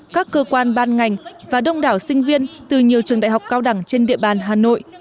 các cơ quan ban ngành và đông đảo sinh viên từ nhiều trường đại học cao đẳng trên địa bàn hà nội